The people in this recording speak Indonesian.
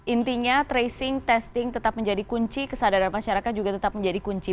intinya tracing testing tetap menjadi kunci kesadaran masyarakat juga tetap menjadi kunci